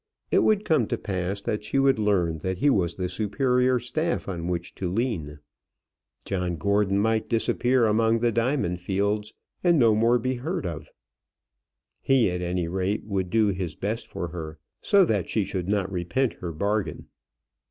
It would come to pass that she would learn that he was the superior staff on which to lean. John Gordon might disappear among the diamond fields, and no more be heard of. He, at any rate, would do his best for her, so that she should not repent her bargain.